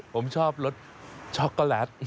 ผมชอบรสช็อกโกแลต